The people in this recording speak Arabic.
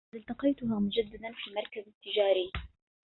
لقد التقيتها مجددا في المركز التجاري.